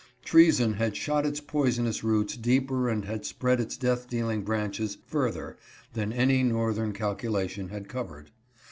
Treason had shot its poisonous roots deeper and had spread its death dealing branches fur ther than any northern calculation had covered.